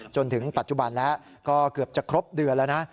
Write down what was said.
จนถึงปัจจุบันแล้วก็เกือบจะครบเดือนแล้วนะ